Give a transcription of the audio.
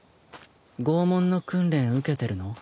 拷問の訓練受けてるの？